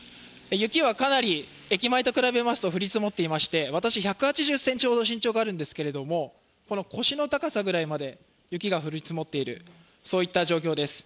雪はかなり駅前と比べますと降り積もっていまして、私、１８０ｃｍほど身長があるんですけど、腰の高さぐらいまで雪が降り積もっているといった状況です。